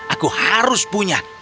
aku harus punya